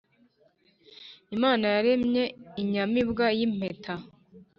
imana yaremye inyamibwa y’impeta